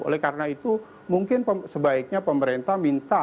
oleh karena itu mungkin sebaiknya pemerintah minta